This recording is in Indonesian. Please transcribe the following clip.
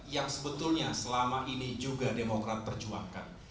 yang sebetulnya selama ini juga demokrat perjuangkan